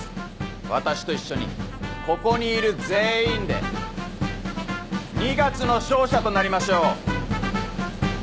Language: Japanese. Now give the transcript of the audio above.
私と一緒にここにいる全員で二月の勝者となりましょう。